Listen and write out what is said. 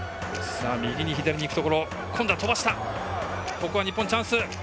ここは日本チャンス。